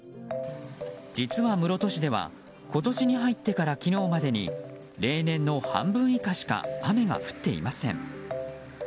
実は室戸市では今年に入ってから昨日までに例年の半分以下しか雨が降っていません。